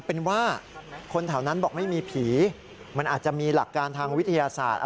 เป็นว่าคนแถวนั้นบอกไม่มีผีมันอาจจะมีหลักการทางวิทยาศาสตร์